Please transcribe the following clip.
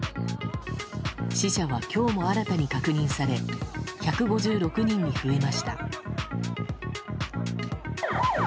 死者は、今日も新たに確認され１５６人に増えました。